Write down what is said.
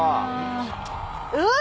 うわ！